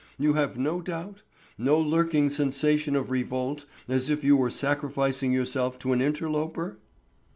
You have no doubt; no lurking sensation of revolt as if you were sacrificing yourself to an interloper?"